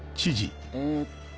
えっと。